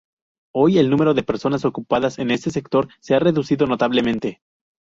Hoy el número de personas ocupadas en este sector se ha reducido notablemente.